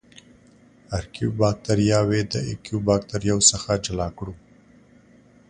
ارکیو باکتریاوې د ایو باکتریاوو څخه جلا کړو.